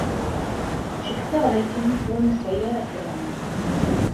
Cukkteɣ dakken ur nesɛi ara afran.